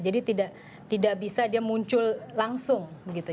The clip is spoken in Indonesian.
jadi tidak bisa dia muncul langsung gitu